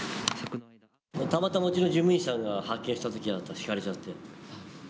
たまたまうちの事務員さんが発見したときはひかれちゃって。